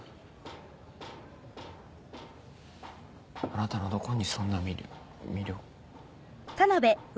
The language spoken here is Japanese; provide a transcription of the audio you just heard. あなたのどこにそんなみ魅力。